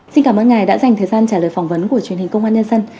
xin cảm ơn ngài đã dành thời gian trả lời phỏng vấn của truyền hình công an nhân dân